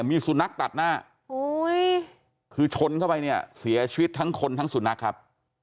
มีสุนัขตัดหน้าคือชนเข้าไปเนี่ยเสียชีวิตทั้งคนทั้งสุนัขครับ